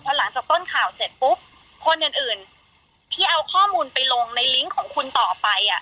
หลังจากต้นข่าวเสร็จปุ๊บคนอื่นอื่นที่เอาข้อมูลไปลงในลิงก์ของคุณต่อไป